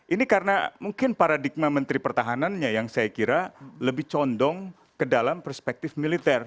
ini karena mungkin paradigma menteri pertahanannya yang saya kira lebih condong ke dalam perspektif militer